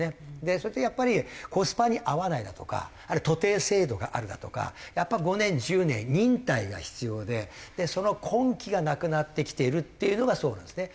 それとやっぱりコスパに合わないだとかあるいは徒弟制度があるだとかやっぱ５年１０年忍耐が必要でその根気がなくなってきているっていうのがそうなんですね。